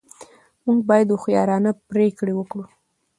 موږ باید هوښیارانه پرېکړې وکړو.